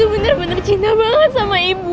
ibu bener bener cinta banget sama ibu